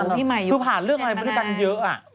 หรือพี่ใหม่อยู่ในประมาณนั้นคือผ่านเรื่องอะไรมากันเยอะอ่ะ